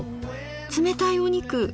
冷たいお肉。